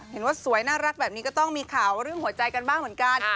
เห็นว่าสวยน่ารักแบบนี้ก็ต้องมีข่าวเรื่องหัวใจกันบ้างเหมือนกัน